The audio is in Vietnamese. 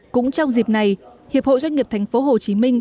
cũng trong dịp này hiệp hội doanh nghiệp tp hcm